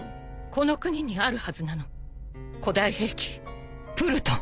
この国にあるはずなの古代兵器プルトン。